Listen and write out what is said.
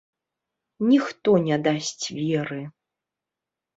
Ніхто не дасць веры.